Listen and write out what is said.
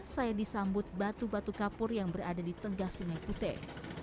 saya disambut batu batu kapur yang berada di tengah sungai putih